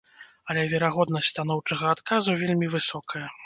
Але верагоднасць станоўчага адказу вельмі высокая.